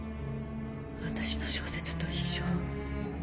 私の小説と一緒